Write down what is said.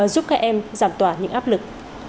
giúp các em giảm tỏa những áp lực